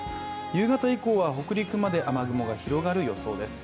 夕方以降は北陸まで雨雲が広がる予想です。